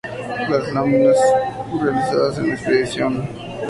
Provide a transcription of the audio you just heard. Las láminas realizadas en la expedición resultaron ser de excepcional calidad.